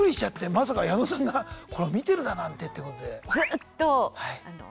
まさか矢野さんが見てるだなんてってことで。